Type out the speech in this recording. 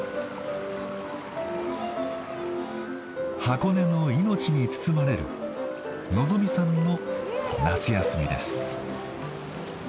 箱根の命に包まれるのぞ実さんの夏休みです。